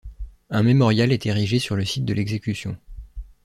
Un mémorial est érigé sur le site de l'exécution.